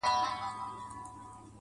دا لوړ ځل و، تر سلامه پوري پاته نه سوم.